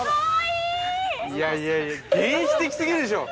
◆いやいやいや、原始的すぎるでしょう。